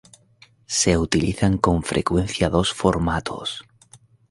Se utilizan con frecuencia dos formatos.